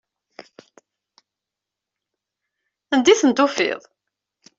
Anda i tent-tufiḍ?